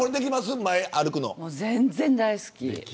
全然大好き。